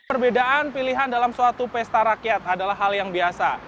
perbedaan pilihan dalam suatu pesta rakyat adalah hal yang biasa